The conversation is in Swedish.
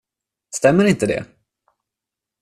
Stämmer inte det?